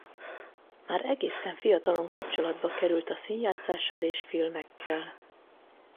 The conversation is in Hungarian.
Már egészen fiatalon kapcsolatba került a színjátszással és filmekkel.